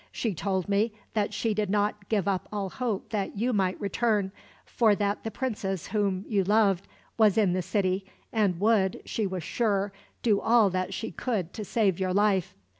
She told me that she did not give up all hope that you might return; for that the princess whom you loved was in the city, and would, she was sure, do all that she could to save your life."